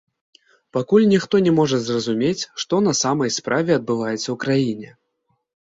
Пакуль ніхто не можа зразумець, што на самай справе адбываецца ў краіне.